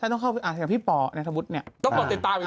เอาถูกคำเพลงต้องกดติดตามอีกที